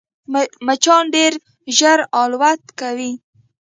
مچان ډېر ژر الوت کوي